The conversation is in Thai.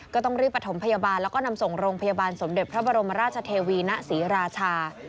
ก็ต้องรีบประถมพยาบาลแล้วก็นำส่งโรงพยาบาลสมเด็จพระบรมราชเทวีณศรีราชา